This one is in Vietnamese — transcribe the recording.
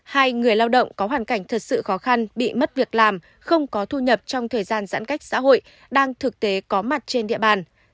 hai người lao động có hoàn cảnh thật sự khó khăn bị mất việc làm không có thu nhập trong thời gian giãn cách xã hội đang thực tế có mặt trên địa bàn